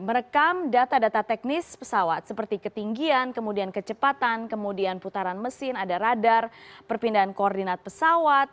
merekam data data teknis pesawat seperti ketinggian kemudian kecepatan kemudian putaran mesin ada radar perpindahan koordinat pesawat